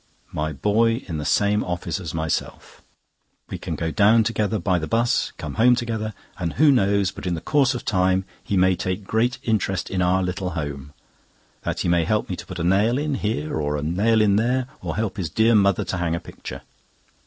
My boy in the same office as myself—we can go down together by the 'bus, come home together, and who knows but in the course of time he may take great interest in our little home. That he may help me to put a nail in here or a nail in there, or help his dear mother to hang a picture.